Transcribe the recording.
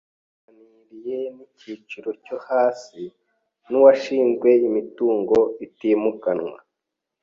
Yaganiriye nigiciro cyo hasi nuwashinzwe imitungo itimukanwa.